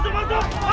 apa ada apa